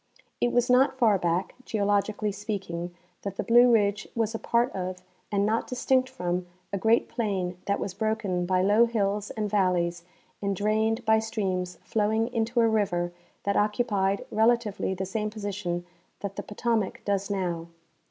It was not far back, geologically speaking, that the Blue ridge was a part of, and not distinct from, a great plain that was broken by low hills and valleys and drained by streams flowing into a river that occupied relatively the same position that the Potomac does now.